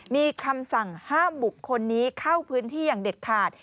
มีคำสั่งห้ามบุคคลนี้เข้าพื้นที่อย่างเด็ดขาด